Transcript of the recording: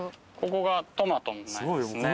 ここがトマトの苗ですね。